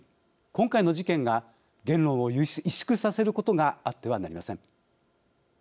今回の事件が言論を委縮させることがあってはなりません。